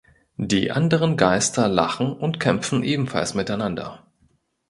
Die anderen Geister lachen und kämpfen ebenfalls miteinander.